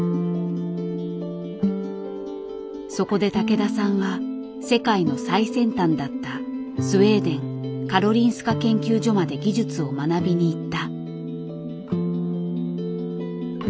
そこで竹田さんは世界の最先端だったスウェーデンカロリンスカ研究所まで技術を学びに行った。